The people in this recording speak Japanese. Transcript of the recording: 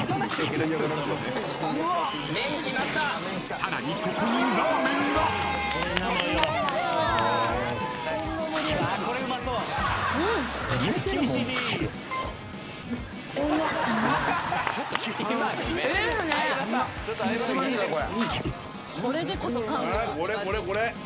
［さらにここにラーメンが］いいですね。